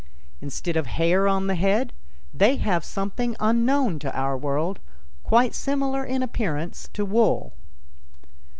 Instead of hair on the head, they have something unknown to our world, quite similar in appearance to wool.